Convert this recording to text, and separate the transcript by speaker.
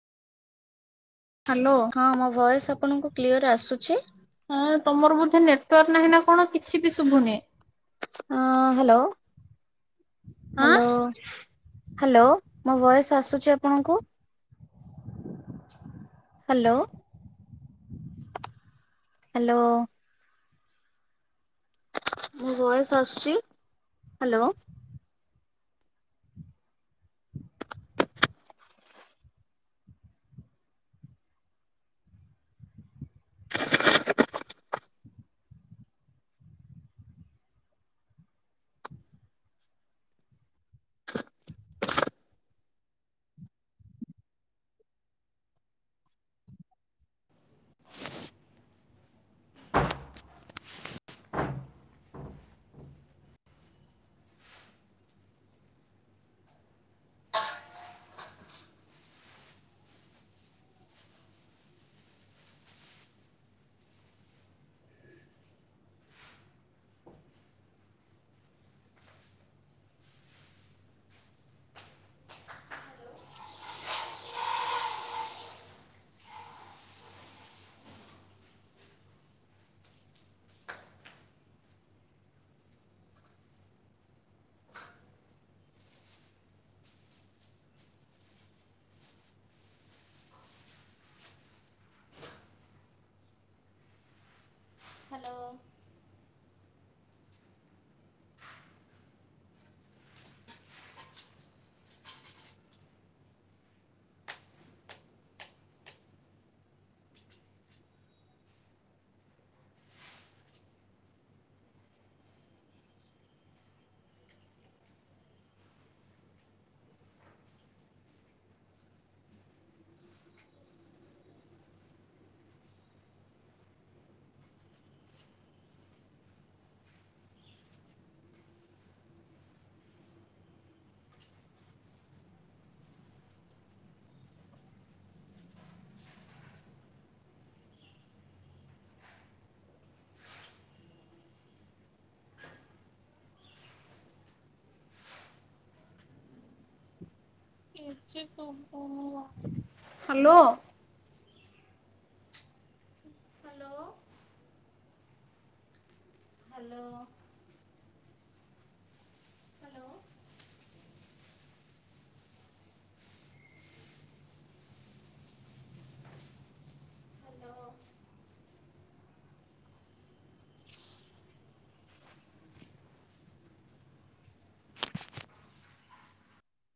Speaker 1: Hello
Speaker 2: ହଁ ମୋ voice ଆପଣଙ୍କୁ କ୍ଲିଅର୍ ଆସୁଛି।
Speaker 1: ହଁ ତମର ବୋଧେ ନେଟୱାର୍କ ନାହିଁ ନା କଣ। କିଛି ବି ଶୁଭୁନି।
Speaker 2: ହ୍ୟାଲୋ।
Speaker 1: ଆଁ।
Speaker 2: ହ୍ୟାଲୋ। ହ୍ୟାଲୋ ମୋ ଭୟସ ଆସୁଛି ଆପଣଙ୍କୁ।
Speaker 1: [unintelligible]
Speaker 2: ହ୍ୟାଲୋ। ହ୍ୟାଲୋ। ମୁଁ ଭୟସ ଆସୁଛି hello.
Speaker 1: [unintelligible]
Speaker 2: Hello.
Speaker 1: Hello.
Speaker 2: Hello. Hello. Hello.